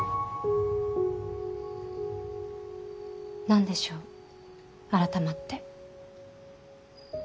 何でしょう改まって。